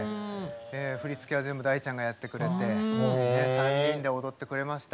振り付けは全部大ちゃんがやってくれて３人で踊ってくれました。